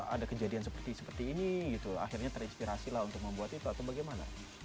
ada kejadian seperti seperti ini gitu akhirnya terinspirasi lah untuk membuat itu atau bagaimana